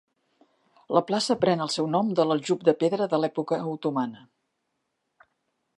La plaça pren el seu nom de l'aljub de pedra de l'època otomana.